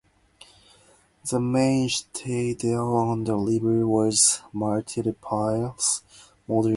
The main citadel on the river was Martyropolis, modern Silvan.